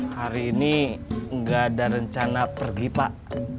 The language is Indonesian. hari ini nggak ada rencana pergi pak